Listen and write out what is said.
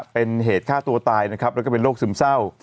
เป็นเหตุฆ่าตัวตายนะครับแล้วก็เป็นโรคซึมเศร้า